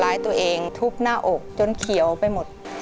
รายการต่อไปนี้เป็นรายการทั่วไปสามารถรับชมได้ทุกวัย